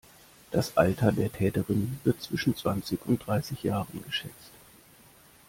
Das Alter der Täterin wird zwischen zwanzig und dreißig Jahre geschätzt.